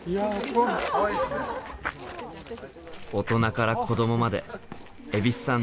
大人から子どもまで蛭子さん